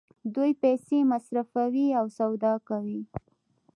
دوی پیسې مصرفوي او سودا کوي.